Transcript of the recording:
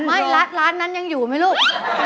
ไม่ร้านนั้นยังอยู่ไหมลูก